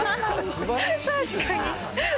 確かに。